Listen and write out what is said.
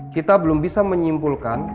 kita belum bisa menyimpulkan